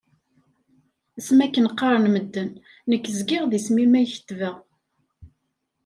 Asmi akken qqaren medden, nekk zgiɣ d isem-im ay kettbeɣ.